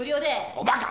おバカ！